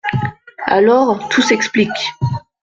Alors, tout s'explique.